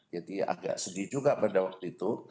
jadi agak sedih juga pada waktu itu